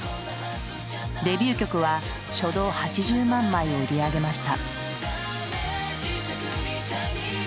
デビュー曲は初動８０万枚を売り上げました。